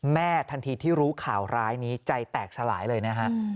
ทันทีที่รู้ข่าวร้ายนี้ใจแตกสลายเลยนะฮะ